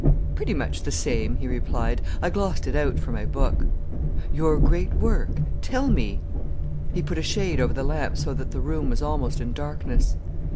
"Pretty much the same," he replied. "I glossed it out for my book." "Your great work? Tell me." He put a shade over the lamp so that the room was almost in darkness.